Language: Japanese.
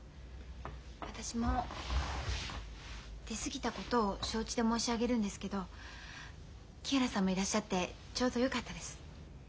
私も出過ぎたことを承知で申し上げるんですけど木原さんもいらっしゃってちょうどよかったです。